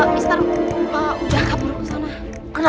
mister udang kapur kesana